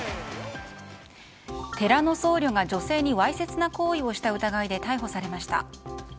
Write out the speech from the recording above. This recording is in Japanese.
寺の僧侶が女性にわいせつな行為をした疑いで逮捕されました。